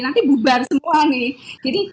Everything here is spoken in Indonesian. nanti bubar semua nih jadi